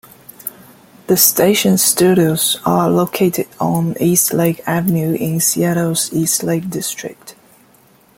The station's studios are located on Eastlake Avenue in Seattle's Eastlake district.